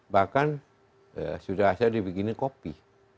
bahkan sudah asal dibikinnya kopi